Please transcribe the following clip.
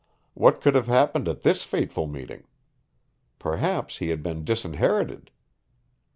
What could have happened at this fateful meeting? Perhaps he had been disinherited.